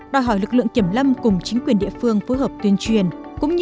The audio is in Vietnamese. đòi hỏi lực lượng kiểm lâm cùng chính quyền địa phương phối hợp tuyên truyền